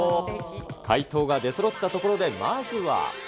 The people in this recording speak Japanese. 回答が出そろったところで、まずは。